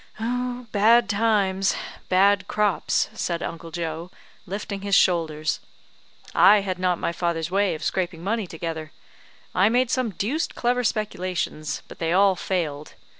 "Bad times bad crops," said Uncle Joe, lifting his shoulders. "I had not my father's way of scraping money together. I made some deuced clever speculations, but they all failed.